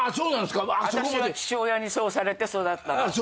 私は父親にそうされて育ったの。